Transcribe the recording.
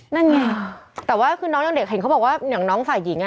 นั่นไงแต่ว่าคือน้องยังเด็กเห็นเขาบอกว่าอย่างน้องฝ่ายหญิงอ่ะ